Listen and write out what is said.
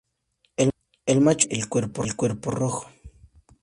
El macho tiene el cuerpo rojo.